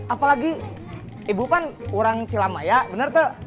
apalagi ibu pan orang cilamaya benar teh